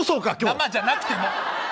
生じゃなくても。